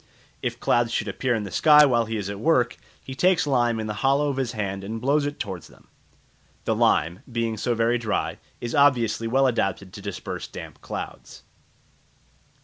If clouds should appear in the sky while he is at work, he takes lime in the hollow of his hand and blows it towards them. The lime, being so very dry, is obviously well adapted to disperse the damp clouds.